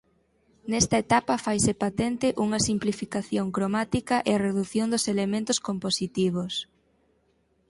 Nesta etapa faise patente unha simplificación cromática e a redución dos elementos compositivos.